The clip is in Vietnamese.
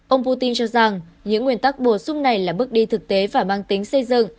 ông putin cho rằng những nguyên tắc bổ sung này là bước đi thực tế và mang tính xây dựng